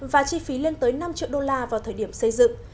và chi phí lên tới năm triệu đô la vào thời điểm xây dựng